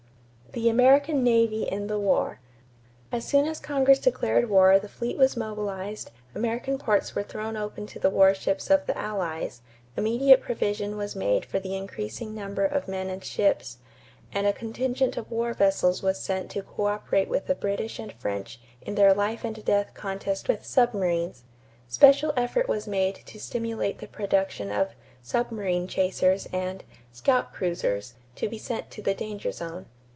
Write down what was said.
=The American Navy in the War.= As soon as Congress declared war the fleet was mobilized, American ports were thrown open to the warships of the Allies, immediate provision was made for increasing the number of men and ships, and a contingent of war vessels was sent to coöperate with the British and French in their life and death contest with submarines. Special effort was made to stimulate the production of "submarine chasers" and "scout cruisers" to be sent to the danger zone.